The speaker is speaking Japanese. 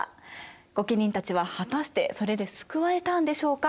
御家人たちは果たしてそれで救われたんでしょうか。